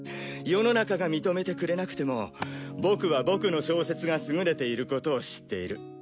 世の中が認めてくれなくてもボクはボクの小説が優れていることを知っている。